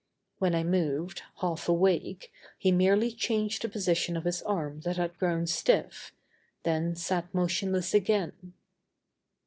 When I moved, half awake, he merely changed the position of his arm that had grown stiff, then sat motionless again.